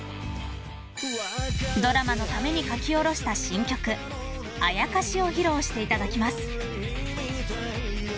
［ドラマのために書き下ろした新曲『妖』を披露していただきます］